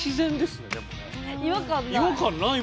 違和感ない。